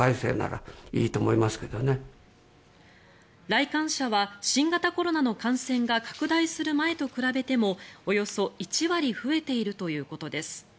来館者は新型コロナの感染が拡大する前と比べてもおよそ１割増えているということです。